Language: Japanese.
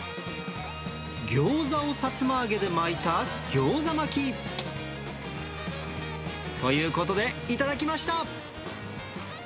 ギョーザをさつま揚げで巻いたぎょうざ巻。ということで、頂きました。